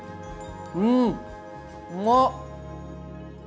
うんうま！